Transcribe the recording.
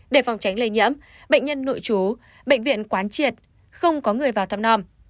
để phòng tránh lây nhẫm bệnh nhân nội trú bệnh viện quán triệt không có người vào thăm nòm